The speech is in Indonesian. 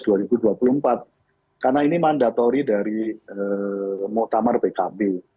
karena ini mandatori dari muqtamar pkb